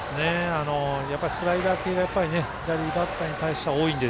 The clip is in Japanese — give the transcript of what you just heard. やっぱりスライダー系が左バッターに対しては多いんで。